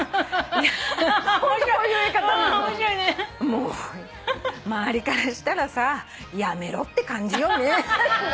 「もう周りからしたらさやめろって感じよね」